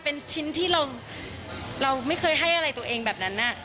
เป็นชิ้นที่เราไม่เคยให้อะไรตัวเองแบบนั้น